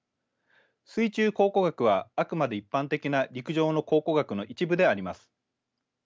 水中考古学はあくまで一般的な陸上の考古学の一部であります。